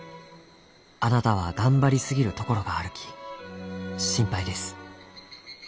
あなたは頑張りすぎるところがあるき心配です。